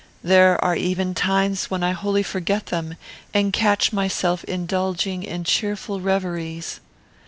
There are even times when I wholly forget them, and catch myself indulging in cheerful reveries.